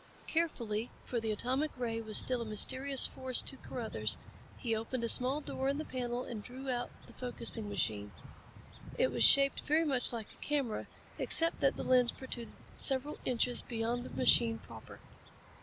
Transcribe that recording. Carefully, for the atomic ray was still a mysterious force to Carruthers, he opened a small door in the panel and drew out the focusing machine. It was shaped very much like a camera except that the lens protruded several inches beyond the machine proper.